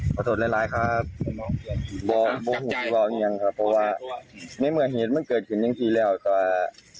ขอโทษหลายหลายครับบอกบอกอย่างนี้ครับเพราะว่าไม่เหมือนเหตุมันเกิดขึ้นอย่างที่แล้วค่ะ